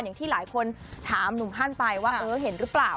อย่างที่หลายคนถามหนุ่มฮันไปว่าเออเห็นหรือเปล่า